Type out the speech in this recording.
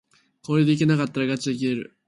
これでいけなかったらがちで切れる